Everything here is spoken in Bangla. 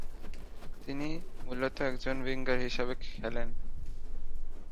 তিনি মূলত একজন উইঙ্গার হিসেবে খেলেন।